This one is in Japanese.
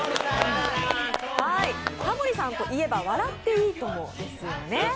タモリさんといえば「笑っていいとも！」ですよね。